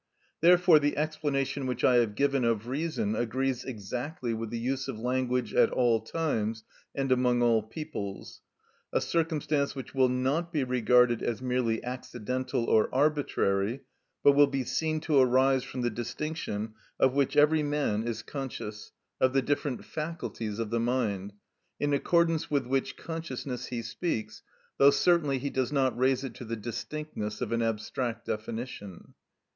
Therefore the explanation which I have given of reason agrees exactly with the use of language at all times and among all peoples—a circumstance which will not be regarded as merely accidental or arbitrary, but will be seen to arise from the distinction of which every man is conscious, of the different faculties of the mind, in accordance with which consciousness he speaks, though certainly he does not raise it to the distinctness of an abstract definition.